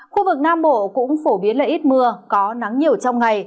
khu vực nam bộ cũng phổ biến là ít mưa có nắng nhiều trong ngày